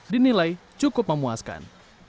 dinilai cukup memuaskan